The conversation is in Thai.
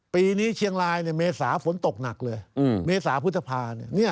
ปีนี้เชียงรายเมษาฝนตกหนักเลยเมซาพุทธภาเนี่ย